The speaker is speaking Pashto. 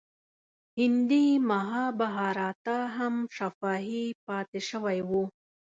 هندي مهابهاراتا هم شفاهي پاتې شوی و.